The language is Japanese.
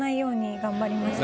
頑張りました。